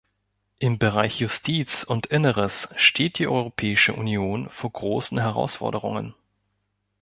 Im Bereich Justiz und Inneres steht die Europäische Union vor großen Herausforderungen.